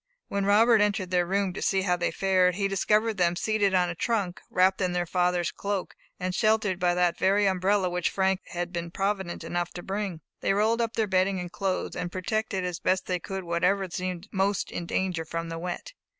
When Robert entered their room to see how they fared, he discovered them seated on a trunk, wrapped in their father's cloak, and sheltered by that very umbrella which Frank had been provident enough to bring. They rolled up their bedding and clothes, and protected as best they could whatever seemed most in danger from the wet.